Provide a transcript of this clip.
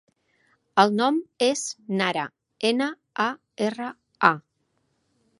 El nom és Nara: ena, a, erra, a.